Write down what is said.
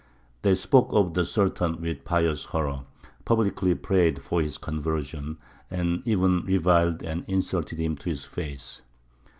They spoke of the Sultan with pious horror, publicly prayed for his conversion, and even reviled and insulted him to his face.